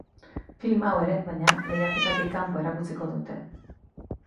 Film hau ere, baina, lehiaketatik kanpo erakutsiko dute.